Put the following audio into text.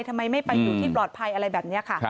ทำไมไม่ไปอยู่ที่ปลอดภัยอะไรแบบนี้ค่ะ